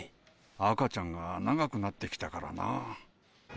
赤ちゃんが長くなってきたからな。